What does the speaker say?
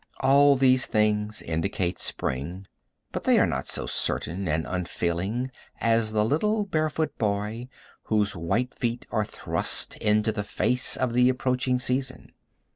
All these things indicate spring, but they are not so certain and unfailing as the little barefoot boy whose white feet are thrust into the face of the approaching season.